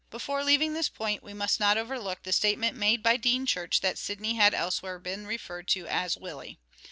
" Willie " Before leaving this point we must not overlook and Sidney. the statement made by Dean Church that Sidney had elsewhere been referred to as Willie.